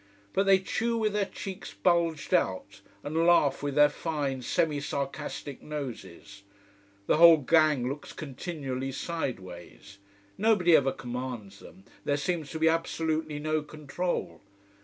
But they chew with their cheeks bulged out, and laugh with their fine, semi sarcastic noses. The whole gang looks continually sideways. Nobody ever commands them there seems to be absolutely no control.